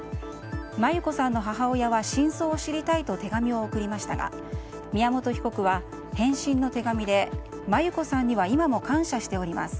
真優子さんの母親は真相を知りたいと手紙を送りましたが宮本被告は返信の手紙で真優子さんは今も感謝しております。